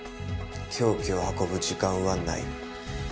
凶器を運ぶ時間はない。